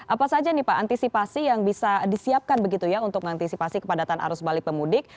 apa saja nih pak antisipasi yang bisa disiapkan begitu ya untuk mengantisipasi kepadatan arus balik pemudik